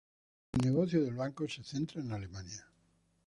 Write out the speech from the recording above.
El negocio del banco se centra en Alemania.